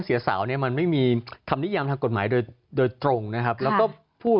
เสียสาวเนี่ยมันไม่มีคำนิยามทางกฎหมายโดยโดยตรงนะครับแล้วก็พูด